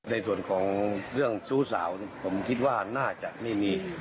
ในส่วนของเรื่องชู้สาวผมคิดว่าน่าจะไม่มี